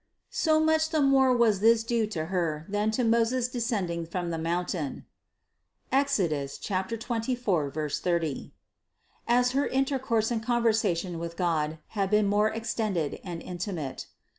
So much the more was this due to Her than to Moses descending from the mountain, (Exod. 24, 30) as her intercourse and conversation with God had been more extended and intimate.